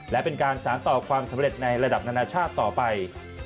และเป็นการสารต่อความสำเร็จในระดับนานาชาติต่อไป